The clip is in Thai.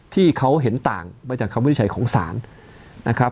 ที่เขาเห็นต่างมาจากคำวินิจฉัยของศาลนะครับ